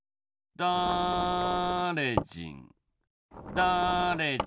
だれじんだれじ